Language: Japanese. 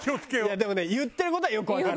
でもね言ってる事はよくわかる。